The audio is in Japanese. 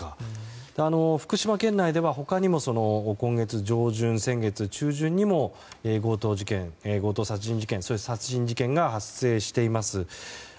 福島県内では他にも今月上旬、先月中旬にも強盗殺人事件が発生しています。